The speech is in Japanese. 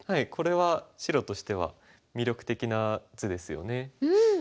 これは白としては魅力的な図ですよね。